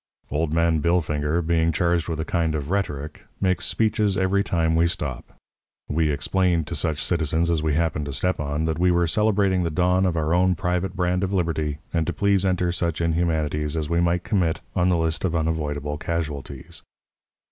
"Old Man Billfinger, being charged with a kind of rhetoric, makes speeches every time we stop. We explained to such citizens as we happened to step on that we were celebrating the dawn of our own private brand of liberty, and to please enter such inhumanities as we might commit on the list of unavoidable casualties.